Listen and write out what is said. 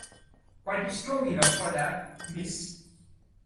Quite strong enough for that, miss!